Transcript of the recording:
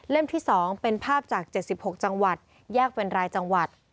ที่๒เป็นภาพจาก๗๖จังหวัดแยกเป็นรายจังหวัด